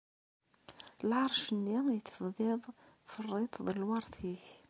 Lɛerc-nni i d-tefdiḍ, terriḍ-t d lweṛt-ik.